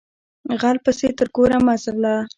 غل پسې تر کوره مه ځغلهٔ